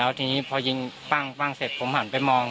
อันนี้พอยิงป้างป้างเสร็จผมหันไปมอง